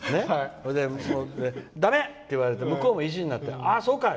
だめって言われて向こうも意地になってああ、そうかい！